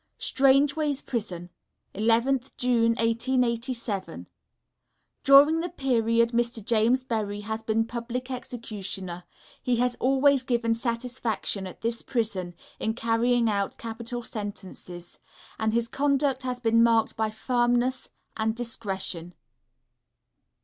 Strangeways Prison, 11th June, 1887. During the period Mr. James Berry has been public Executioner he has always given satisfaction at this Prison in carrying out Capital Sentences, and his conduct has been marked by firmness and discretion.